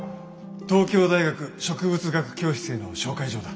東京大学植物学教室への紹介状だ。